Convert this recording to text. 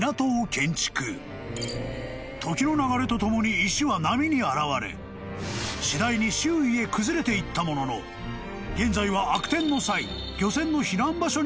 ［時の流れとともに石は波に洗われ次第に周囲へ崩れていったものの現在は］